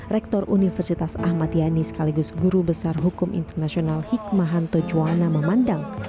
rektor universitas ahmad yani sekaligus guru besar hukum internasional hikmahanto juwana memandang